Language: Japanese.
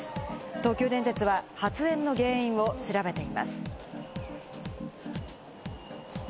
東急電鉄は発煙の原因を調べています。